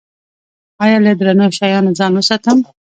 ایا له درندو شیانو ځان وساتم؟